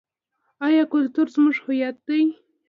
آیا کلتور زموږ هویت دی؟